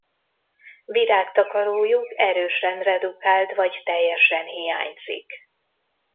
Virágtakarójuk erősen redukált vagy teljesen hiányzik.